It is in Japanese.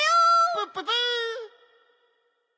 プッププ！